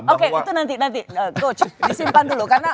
oke itu nanti coach disimpan dulu